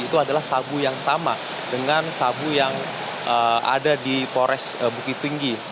itu adalah sabu yang sama dengan sabu yang ada di forest bukit tinggi